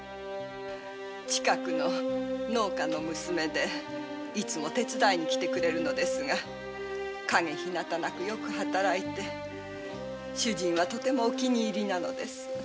近くの農家の娘でいつも手伝いに来てくれるのですが陰ひなたなく良く働いて主人はとてもお気に入りなのです。